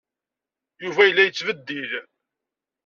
Yuba yella yettbeddil.